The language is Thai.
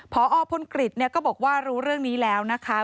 พอพลกฤษก็บอกว่ารู้เรื่องนี้แล้วนะคะ